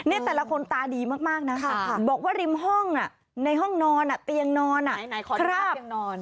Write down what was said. นี่แต่ละคนตาดีมากนะบอกว่าริมห้องในห้องนอนเตียงนอน